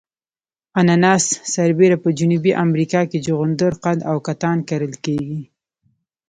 اناناس سربېره په جنوبي امریکا کې جغندر قند او کتان کرل کیږي.